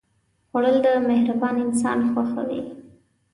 خوړل د مهربان انسان خوښه وي